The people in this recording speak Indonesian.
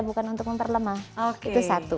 bukan untuk memperlemah itu satu